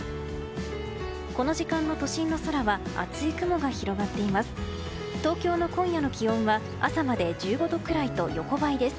この時間の都心の空は厚い雲が広がっています。